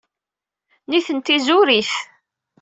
Nitni zurit.